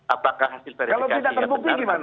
apakah hasil verifikasi itu benar atau